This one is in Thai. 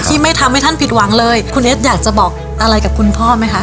ไม่ทำให้ท่านผิดหวังเลยคุณเอสอยากจะบอกอะไรกับคุณพ่อไหมคะ